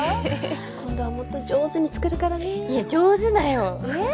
今度はもっと上手に作るからねいや上手だよえっ？